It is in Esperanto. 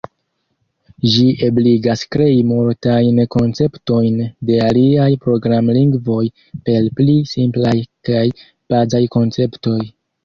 Ĝi ebligas krei multajn konceptojn de aliaj programlingvoj per pli simplaj kaj bazaj konceptoj.